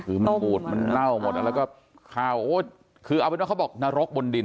คือมันปูดมันเล่าหมดแล้วก็ข่าวโอ้ยคือเอาเป็นว่าเขาบอกนรกบนดิน